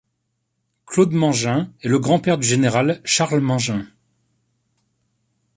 Claude Mangin est le grand-père du Général Charles Mangin.